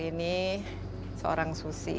ini seorang susi